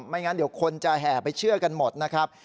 งั้นเดี๋ยวคนจะแห่ไปเชื่อกันหมดนะครับ